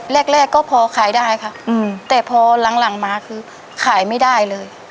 แรกแรกก็พอขายได้ค่ะแต่พอหลังมาคือขายไม่ได้เลย